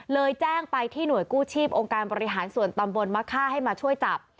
เลยแจ้งไปที่หน่วยกู้ชีพองค์การบริหารส่วนตำบลมะค่าให้มาช่วยจับ